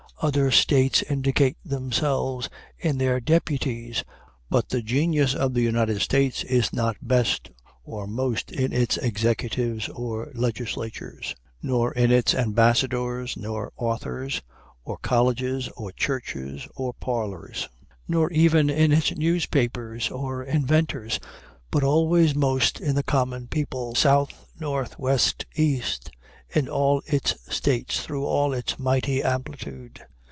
Other states indicate themselves in their deputies but the genius of the United States is not best or most in its executives or legislatures, nor in its ambassadors or authors, or colleges or churches or parlors, nor even in its newspapers or inventors but always most in the common people, south, north, west, east, in all its States, through all its mighty amplitude.